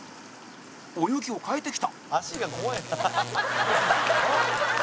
泳ぎを変えてきた！